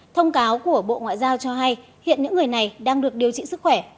thông cáo của bộ ngoại giao cho hay hiện những người này đang được điều trị sức khỏe